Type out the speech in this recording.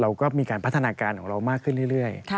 เราก็มีการพัฒนาการของเรามากขึ้นเรื่อย